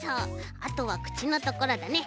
あとはくちのところだね。